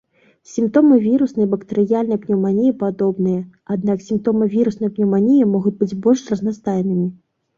Сімптомы віруснай і бактэрыяльнай пнеўманіі падобныя, аднак сімптомы віруснай пнеўманіі могуць быць больш разнастайнымі.